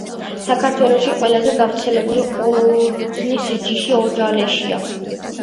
საქართველოში ყველაზე გავრცელებული ყურძნის ჯიში ოჯალეშია